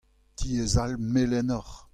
Tiez all melenoc'h.